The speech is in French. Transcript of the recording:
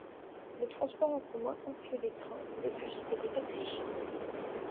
Le transport en commun inclut des trains, des bus et des taxis.